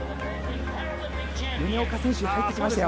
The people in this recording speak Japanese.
米岡選手入ってきましたよ。